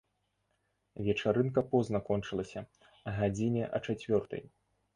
Вечарынка позна кончылася, гадзіне а чацвёртай.